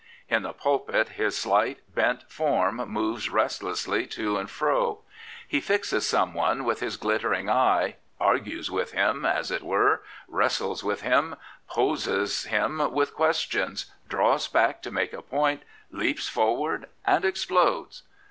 In the pulpit his slight, bent form moves restlessly to and fro: he fixes someone with his glittering eye; argues with him, as it were; wrestles with him; poses him with questions; draws back to make a point; leaps forwarch and explodes.